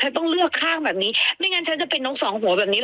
ต้องเลือกข้างแบบนี้ไม่งั้นฉันจะเป็นทั้งสองหัวแบบนี้